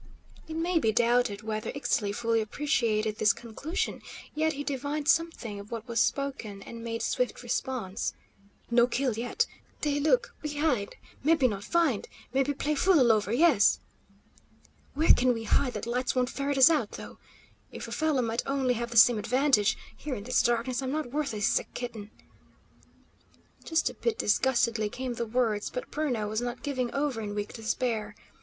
It may be doubted whether Ixtli fully appreciated this conclusion, yet he divined something of what was spoken, and made swift response: "No kill yet. Dey look, we hide. Mebbe not find. Mebbe play fool all over yes!" "Where can we hide that lights won't ferret us out, though? If a fellow might only have the same advantage; here in this darkness I'm not worth a sick kitten!" Just a bit disgustedly came the words, but Bruno was not giving over in weak despair.